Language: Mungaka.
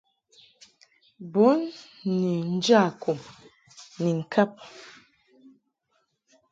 Bun ni nja kum ni ŋkab.